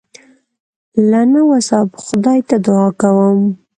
له نه وسه به خدای ته دعا کوم.